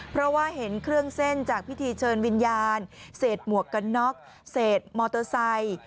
เพราะว่าเห็นเครื่องเส้นจากพิธีเชิญวิญญาณเศษหมวกกันน็อกเศษมอเตอร์ไซค์